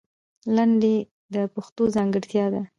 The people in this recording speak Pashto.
لندۍ د پښتو ځانګړتیا ده